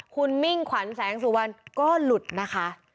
คุณมิ่งขวัญแสงสุวรรณก็หลุดนะคะ